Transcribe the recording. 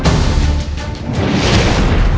tidak ada yang bisa dihukum